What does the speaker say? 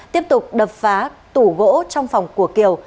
tiếp tục đập phá tủ gỗ trong phòng của kiều